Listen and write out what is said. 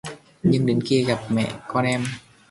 nhưng đến khi gặp mẹ con em